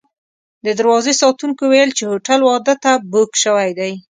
د دروازې ساتونکو ویل چې هوټل واده ته بوک شوی دی.